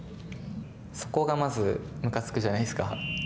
そこがまずむかつくじゃないですか。